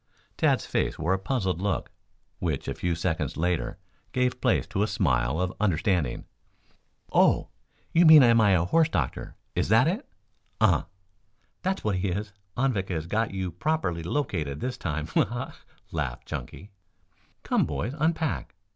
Tad's face wore a puzzled look, which a few seconds later gave place to a smile of understanding. "Oh! you mean, am I a horse doctor? Is that it?" "Uh." "That's what he is. Anvik has got you properly located this time. Ha, ha!" laughed Chunky. "Come, boys, unpack.